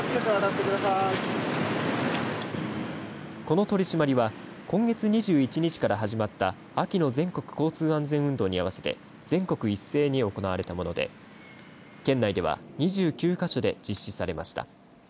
この取締りは今月２１日から始まった秋の全国交通安全運動に合わせて全国一斉に行われたもので県内では２９か所で実施されました。